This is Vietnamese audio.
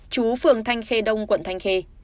chú phường thanh khê đông quận thanh khê